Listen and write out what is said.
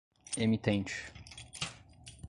emitente